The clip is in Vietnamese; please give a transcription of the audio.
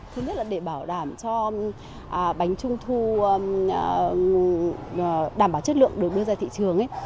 thứ nhất là để bảo đảm cho bánh trung thu đảm bảo chất lượng được đưa ra thị trường